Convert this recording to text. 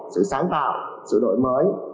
sự sáng tạo sự đổi mới